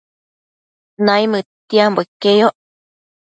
Naimëdtiambo iqueyoc